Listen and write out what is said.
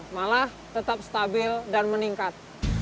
malah tetap stabil dan meningkat